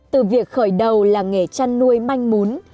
từ việc khởi đầu làng nghề chăn nuôi manh mún